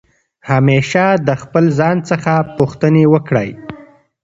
همېشه د خپل ځان څخه پوښتني وکړئ.